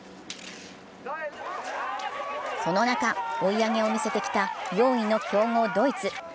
その中、追い上げを見せてきた４位の強豪ドイツ。